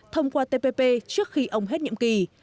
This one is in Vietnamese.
thông qua tpp trước khi ông hết nhiệm kỳ